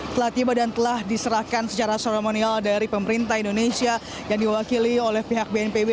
telah tiba dan telah diserahkan secara seremonial dari pemerintah indonesia yang diwakili oleh pihak bnpb